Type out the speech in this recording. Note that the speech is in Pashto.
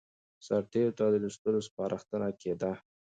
سرتېرو ته د لوستلو سپارښتنه کېده.